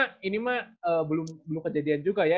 eh tapi ini mah belum kejadian juga ya